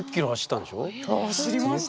走りました。